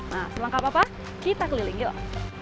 nah semangka papa kita keliling yuk